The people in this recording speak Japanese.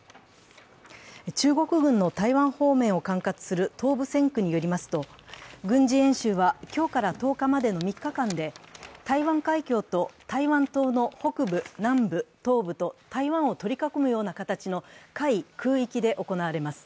中国軍の台湾方面を管轄する東部戦区によりますと軍事演習は今日から１０日までの３日間で、台湾海峡と台湾島の北部、南部、東部と台湾を取り囲むような形の海、空域で行われます。